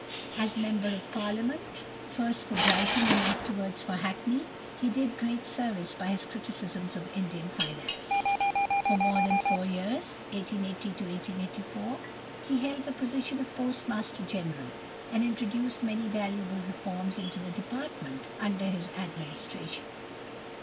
As member of Parliament, first for Brighton and afterwards for Hackney, he did great service by his criticisms of Indian finance. For more than four years (1880 1884) he held the position of Postmaster General, and introduced many valuable reforms into the department under his administration.